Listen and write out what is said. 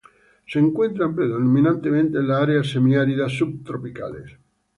Se encuentran predominantemente en las áreas semiáridas subtropicales.